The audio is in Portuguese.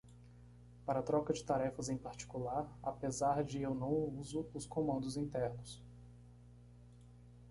Para troca de tarefas em particular? apesar de? eu não uso os comandos internos.